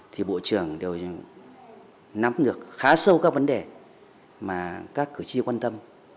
thì bộ trưởng đều nắm được khá sâu các vấn đề mà các cử tri quan tâm